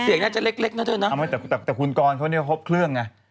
เสียงน่าจะเล็กนะเท่านั้นเนอะเอาไหมแต่คุณกรเขานี่เขาครบเครื่องไง